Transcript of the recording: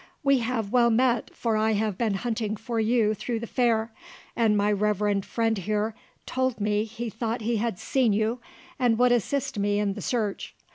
We have well met, for I have been hunting for you through the fair; and my reverend friend here told me he thought he had seen you, and would assist me in the search.